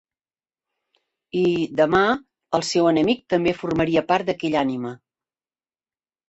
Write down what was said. I, demà, el seu enemic també formaria part d'aquella Ànima.